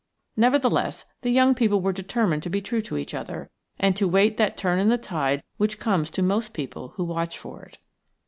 Nevertheless, the young people were determined to be true to each other and to wait that turn in the tide which comes to most people who watch for it.